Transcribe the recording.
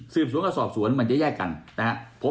สวนกับสอบสวนมันจะแยกกันนะครับ